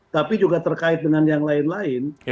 tapi juga terkait dengan yang lain lain